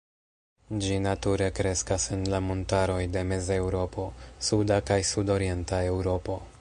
Ĝi nature kreskas en la montaroj de Mezeŭropo, Suda kaj Sudorienta Eŭropo.